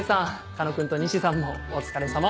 狩野君と西さんもお疲れさま。